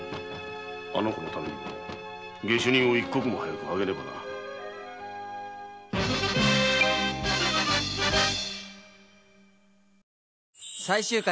あの子のためにも下手人を一刻も早く挙げねばならん。